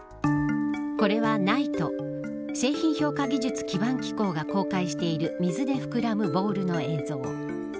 これは、ＮＩＴＥ製品評価技術基盤機構が公開している水で膨らむボールの映像。